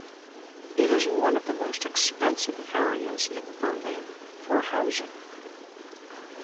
It is one of the most expensive areas in Berlin for housing.